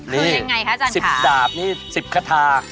นี่๑๐ดาบนี่๑๐คาทา